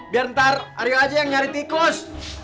biar ntar aryo aja yang nyari tikus